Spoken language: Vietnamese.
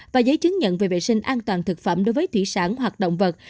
và giấy chứng nhận về vệ sinh an toàn thực phẩm đối với thủy sản hoặc động vật